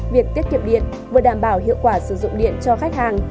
việc tiết kiệm điện vừa đảm bảo hiệu quả sử dụng điện cho khách hàng